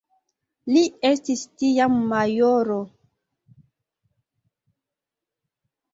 Li estis tiam majoro.